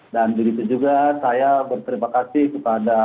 dan di situ juga saya berterima kasih kepada